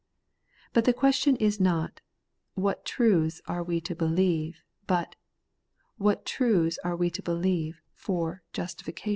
But the question is not, ' What truths are we to believe ?' but, What truths are we to believe for JUSTIFICATION